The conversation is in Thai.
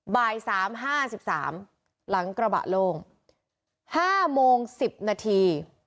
บ่ายสามห้าสิบสามหลังกระบะโล่งห้าโมงสิบนาที